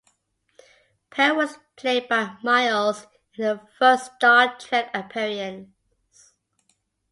Perrin was played by Miles in her first "Star Trek" appearance.